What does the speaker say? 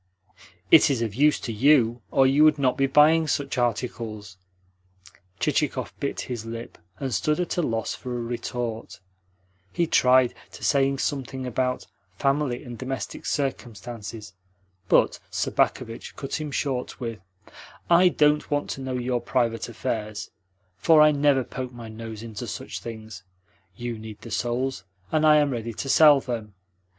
"It is of use to YOU, or you would not be buying such articles." Chichikov bit his lip, and stood at a loss for a retort. He tried to saying something about "family and domestic circumstances," but Sobakevitch cut him short with: "I don't want to know your private affairs, for I never poke my nose into such things. You need the souls, and I am ready to sell them.